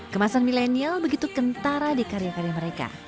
kemasan milenial begitu kentara di karya karya mereka